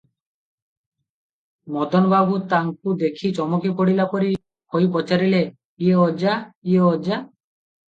ମଦନ ବାବୁ ତାଙ୍କୁ ଦେଖି ଚମକି ପଡ଼ିଲା ପରି ହୋଇ ପଚାରିଲେ, "ଇଏ ଅଜା, ଇଏ ଅଜା!